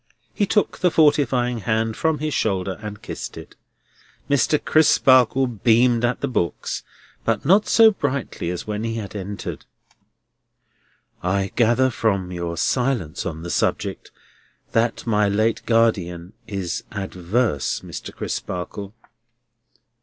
He took the fortifying hand from his shoulder, and kissed it. Mr. Crisparkle beamed at the books, but not so brightly as when he had entered. "I gather from your silence on the subject that my late guardian is adverse, Mr. Crisparkle?"